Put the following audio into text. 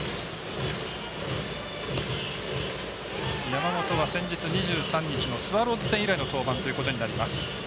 山本は先日２３日のスワローズ戦以来の登板ということになります。